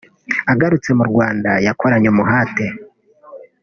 Agarutse mu Rwanda yakoranye umuhate